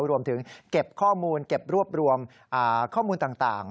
รวมถึงเก็บข้อมูลเก็บรวบรวมข้อมูลต่าง